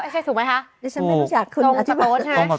ใช่ถูกไหมคะ